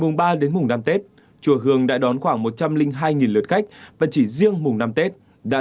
mùng ba đến mùng năm tết chùa hương đã đón khoảng một trăm linh hai lượt khách và chỉ riêng mùng năm tết đã